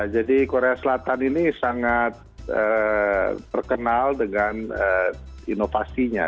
jadi korea selatan ini sangat perkenal dengan inovasinya